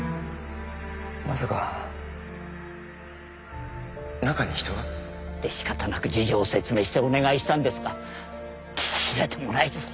まさか中に人が？で仕方なく事情を説明してお願いしたんですが聞き入れてもらえず。